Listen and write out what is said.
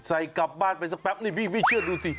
กลับบ้านไปสักแป๊บนี่พี่เชื่อดูสิ